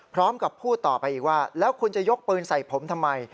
พร้อมกับพูดตอบไปอีกว่าแล้วคุณจะยกปืนใส่ผมทำไม